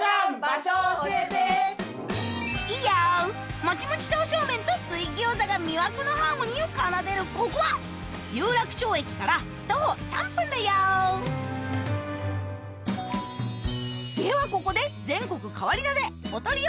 もちもち刀削麺と水餃子が魅惑のハーモニーを奏でるここは有楽町駅から徒歩３分だよではここでを紹介